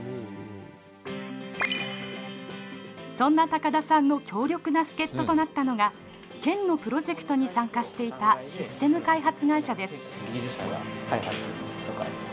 そんな高田さんの強力な助っととなったのが県のプロジェクトに参加していたシステム開発会社です。